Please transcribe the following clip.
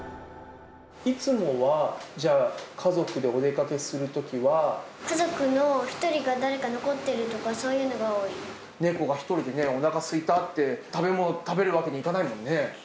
いつもはじゃあ、家族でお出家族の１人が誰か残ってると猫が１人でおなかすいたって、食べ物食べるわけにいかないもんね。